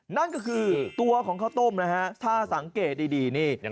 นั่นก็คือตัวของข้าวต้มนะฮะถ้าสังเกตดีนี่